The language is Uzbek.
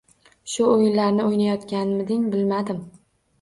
Shu o’yinlarni o’ynayotganmiding bilmadim.